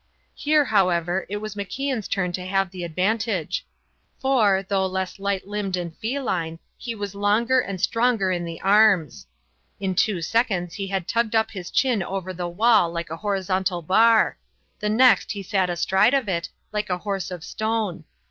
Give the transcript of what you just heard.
Here, however, it was MacIan's turn to have the advantage; for, though less light limbed and feline, he was longer and stronger in the arms. In two seconds he had tugged up his chin over the wall like a horizontal bar; the next he sat astride of it, like a horse of stone.